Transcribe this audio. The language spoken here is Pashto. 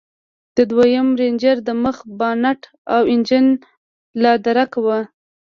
د دويم رېنجر د مخ بانټ او انجن لادرکه و.